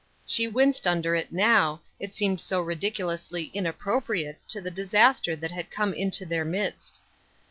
She winced under it now, it seemed so ridiculously inappropriate to the disaster that had come into their midst.